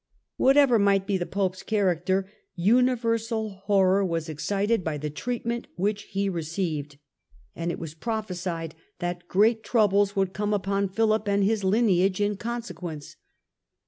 Whatever might be the Pope's character, universal horror was excited by the treatment which he received, and it was prophesied that great troubles would come upon Philip and his lineage in consequence.